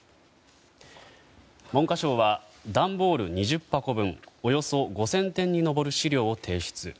文科省は段ボール２０箱分およそ５０００点に上る資料を提出。